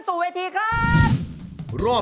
สวัสดีครับ